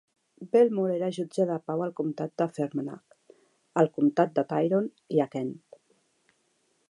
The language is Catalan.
Belmore era jutge de pau al comtat de Fermanagh, al comtat de Tyrone i a Kent.